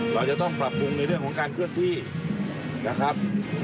เราจะต้องปรับปรุงในเรื่องของการเคลื่อนที่นะครับ